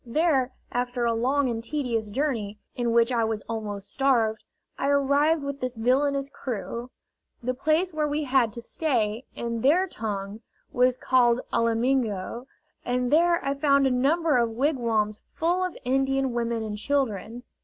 There, after a long and tedious journey, in which I was almost starved, I arrived with this villainous crew. The place where we had to stay, in their tongue, was called Alamingo, and there I found a number of wigwams full of Indian women and children.